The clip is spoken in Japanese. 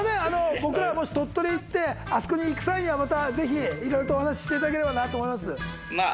僕らもし鳥取へ行ってあそこに行く際にはまたぜひいろいろとお話ししていただければ。